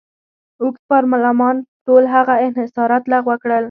اوږد پارلمان ټول هغه انحصارات لغوه کړل.